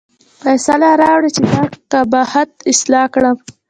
فیصله راوړه چې دغه قباحت اصلاح کړم.